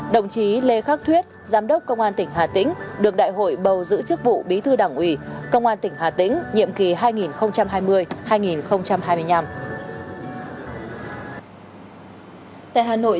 đồng chí lê khắc thuyết giám đốc công an tỉnh hà tĩnh được đại hội bầu giữ chức vụ bí thư đảng ủy công an tỉnh hà tĩnh nhiệm kỳ hai nghìn hai mươi hai nghìn hai mươi năm